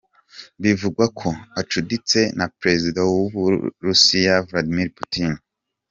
Bivugwa ko acuditse na Prezida w'Uburusiya Vladimir Putin.